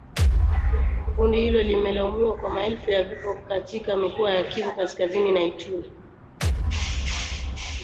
Kundi hilo limelaumiwa kwa maelfu ya vifo katika mikoa ya Kivu Kaskazini na Ituri